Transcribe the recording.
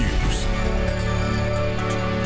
terima kasih sudah bergabung dengan breaking news